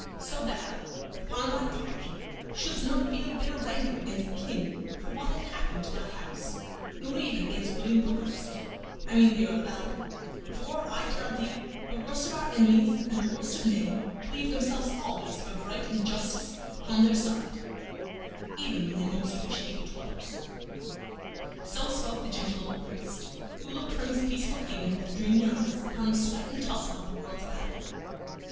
So thou, upon thy part, shouldst not feel bitter rancor against the King for what hath happed to thy house, nor even against William Brookhurst I mean the Earl of Alban for, I tell thee, the worst of our enemies and the worst of men believe themselves always to have right and justice upon their side, even when they most wish evil to others." So spoke the gentle old priest, who looked from his peaceful haven with dreamy eyes upon the sweat and tussle of the world's battle.